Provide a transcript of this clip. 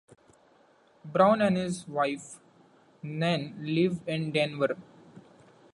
Brown and his wife, Nan, live in Denver.